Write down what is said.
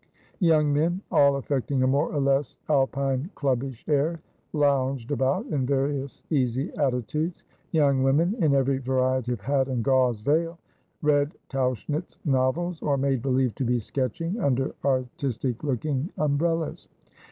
Young men, all affecting a more or less Alpine Clubbish air, lounged about in various easy attitudes ; young women, in every variety of hat and gauze veil, read Tauchnitz novels, or made believe to be sketching, under artistic looking umbrellas.